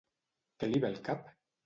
Què li ve al cap?